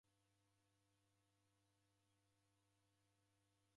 Dacha kula